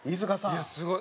いやすごい。